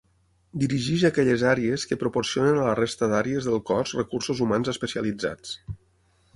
Dirigeix aquelles àrees que proporcionen a la resta d'àrees del cos recursos humans especialitzats.